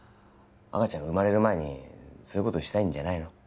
赤ちゃん生まれる前にそういうことしたいんじゃないの？